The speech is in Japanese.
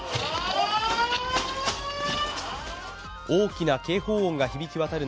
大きな警報音が響き渡る